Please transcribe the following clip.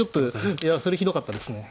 いやそれひどかったですね。